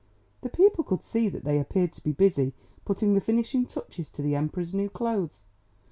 The people could see that they appeared to be busy putting the finishing touches to the Emperor's new clothes.